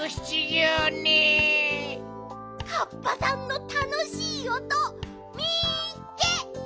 カッパさんのたのしいおとみっけ！